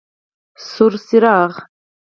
سور څراغ: